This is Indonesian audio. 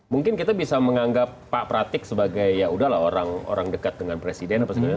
mungkin kita bisa menganggap pak pratik sebagai yaudahlah orang dekat dengan presiden apa segalanya